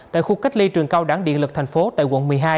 tại khu cách ly trường cao đẳng điện lực thành phố tại quận một mươi hai